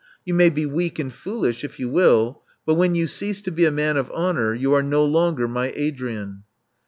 You may be weak and foolish if you will ; but when you cease to be a man of honor, you are no longer my Adrian.